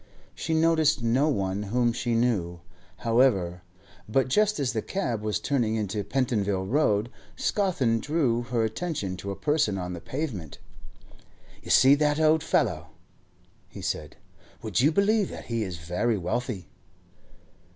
She noticed no one whom she knew, however; but just as the cab was turning into Pentonville Road, Scawthorne drew her attention to a person on the pavement. 'You see that old fellow,' he said. 'Would you believe that he is very wealthy?